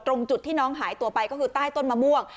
ตรงจุดที่น้องหายตัวไปก็คือใต้ต้นมะม่วง